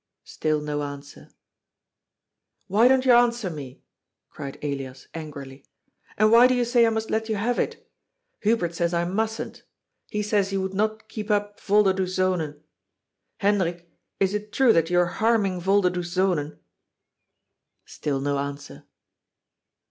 Still no answer. "Why don't you answer me?" cried Elias angrily. " And why do you say I must let you have it? Hubert says I mustn't. He says you would not keep up Volderdoes Zonen. Hendrik, is it true that you are harming Voider does Zonen ?" Still no answer.